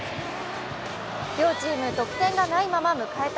両チーム得点がないまま迎えた